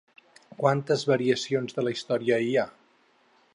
Quantes variacions de la història hi ha?